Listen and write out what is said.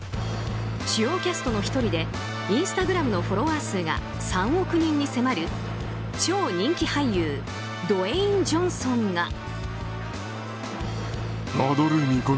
主要キャストの１人でインスタグラムのフォロワー数が３億人に迫る超人気俳優ドウェイン・ジョンソンが。